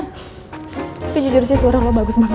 tapi jujur sih suara lo bagus banget